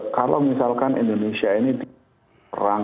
kalau misalkan indonesia ini diperang